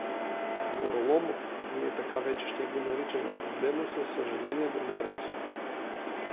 Гороломов (ние така вече ще го наричаме) погледна със съжаление другаря си.